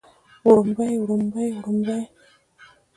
وړومبي وړومبۍ وړومبنۍ